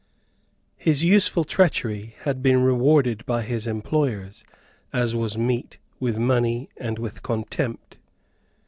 His useful treachery had been rewarded by his employers, as was meet, with money and with contempt.